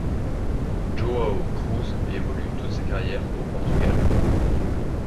João Cruz évolue toute sa carrière au Portugal.